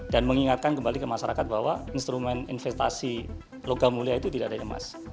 dan mengingatkan kembali ke masyarakat bahwa instrumen investasi logam mulia itu tidak ada emas